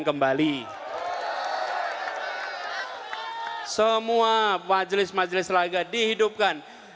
semua majelis majelis laga dihidupkan